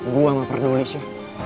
gua gak peduli sya